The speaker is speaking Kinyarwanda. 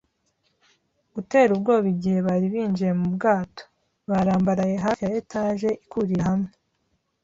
gutera ubwoba igihe bari binjiye mu bwato. Barambaraye hafi ya etage ikurira hamwe